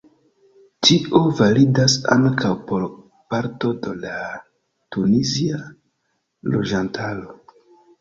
Tio validas ankaŭ por parto de la tunizia loĝantaro.